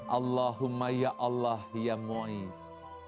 allahumma ya allah ya mo'is